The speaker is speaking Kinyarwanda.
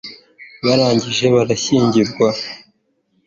barangije barashyingirwa